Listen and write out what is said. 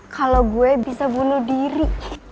kalau gue bisa bunuh diri